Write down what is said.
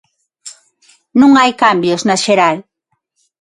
Non hai cambios na xeral.